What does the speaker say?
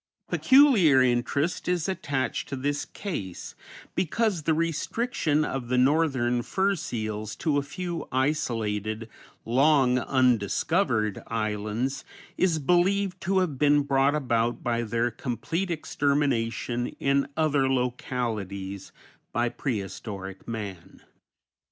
Peculiar interest is attached to this case, because the restriction of the northern fur seals to a few isolated, long undiscovered islands, is believed to have been brought about by their complete extermination in other localities by prehistoric man.